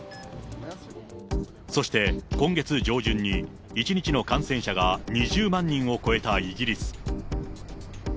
そして今月上旬に、１日の感染者が２０万人を超えたイギリス。